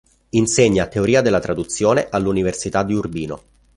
Insegna Teoria della Traduzione all'Università di Urbino.